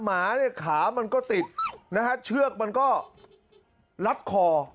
หมาเนี่ยขามันก็ติดนะฮะเชือกมันก็ลัดคอ